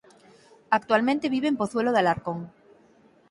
Actualmente vive en Pozuelo de Alarcón.